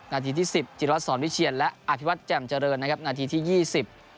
นาทีที่สิบจิรวัตรสอนวิเชียนและอภิวัตรแจ่มเจริญนะครับนาทีที่ยี่สิบ